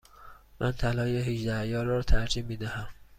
من طلای هجده عیار را ترجیح می دهم.